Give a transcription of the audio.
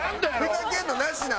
ふざけるのなしなもう。